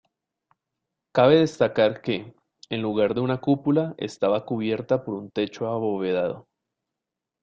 Cabe destacar que, en lugar de una cúpula estaba cubierta por un techo abovedado.